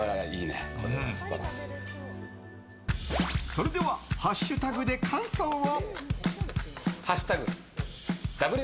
それではハッシュタグで感想を！